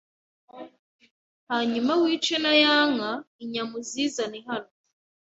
Hanyuma wice na ya nka, inyama uzizane hano